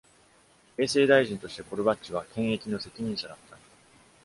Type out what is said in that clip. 衛生大臣として、コルバッチは検疫の責任者だった。